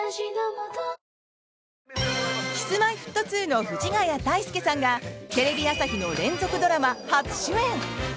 Ｋｉｓ‐Ｍｙ‐Ｆｔ２の藤ヶ谷太輔さんがテレビ朝日の連続ドラマ初主演。